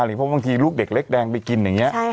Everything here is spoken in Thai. เพราะบางทีลูกเด็กเล็กแดงไปกินอย่างนี้